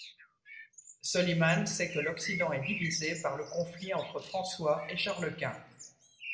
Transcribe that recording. Soliman sait que l'Occident est divisé par le conflit entre François et Charles Quint.